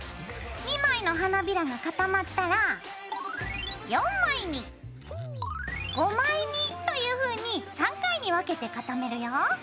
２枚の花びらが固まったら４枚に５枚にというふうに３回に分けて固めるよ。